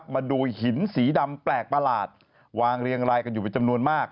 มาดูหินสีดำแปลกประหลาดวางเรียงรายกันอยู่เป็นจำนวนมาก